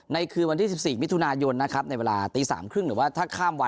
ในคืนวันที่สิบสี่มิถุนายนนะครับในเวลาตีสามครึ่งหรือว่าถ้าข้ามวัน